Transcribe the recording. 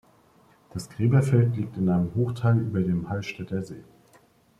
Das Gräberfeld liegt in einem Hochtal über dem Hallstätter See.